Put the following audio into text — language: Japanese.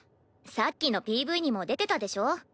さっきのＰＶにも出てたでしょ。